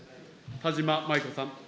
田島麻衣子さん。